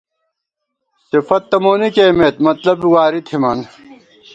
صفت تہ مونی کېئیمېت ، مطلب بی واری تھِمان